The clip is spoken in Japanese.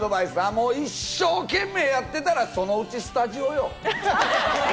一生懸命やってたら、そのうちスタジオよ！